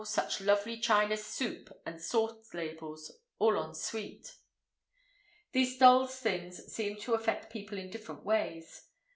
such lovely china soup and sauce ladles, all en suite. These dolls' things seem to affect people in different ways.